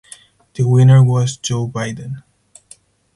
The winner was Joe Biden (D).